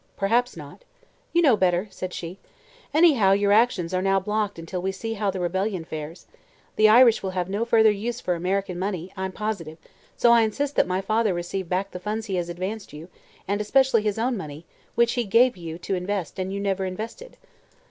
"Perhaps not." "You know better," said she. "Anyhow, your actions are now blocked until we see how the rebellion fares. The Irish will have no further use for American money, I'm positive, so I insist that my father receive back the funds he has advanced you, and especially his own money which he gave you to invest and you never invested."